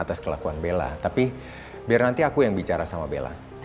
atas kelakuan bella tapi biar nanti aku yang bicara sama bella